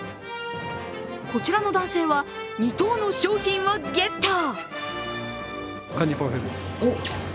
こちらの男性は２等の商品をゲット！